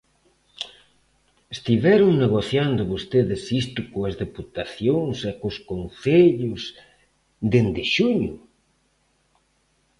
¿Estiveron negociando vostedes isto coas deputacións e cos concellos dende xuño?